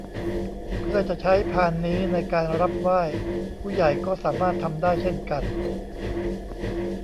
เพื่อจะใช้พานนี้ในการรับไหว้ ผู้ใหญ่ก็สามารถทำได้เช่นกัน